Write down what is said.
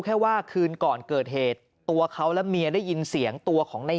แค่ว่าคืนก่อนเกิดเหตุตัวเขาและเมียได้ยินเสียงตัวของใน